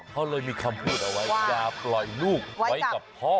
เขาเลยมีคำพูดเอาไว้อย่าปล่อยลูกไว้กับพ่อ